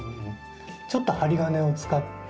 ちょっと針金を使って。